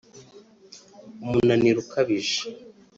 umunaniro ukabije